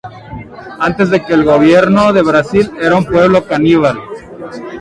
Antes de que el gobierno de Brasil era un pueblo caníbal.